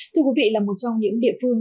thưa quý vị là một trong những địa phương